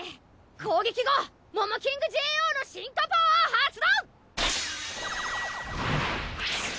攻撃後モモキングＪＯのシンカパワー発動！